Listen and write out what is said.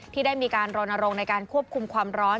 ที่ได้มีการรณรงค์ในการควบคุมความร้อน